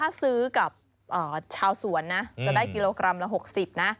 อันนี้คือถ้าซื้อกับชาวสวนนะจะได้กิโลกรัมละ๖๐บาทนะ